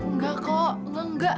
enggak kok enggak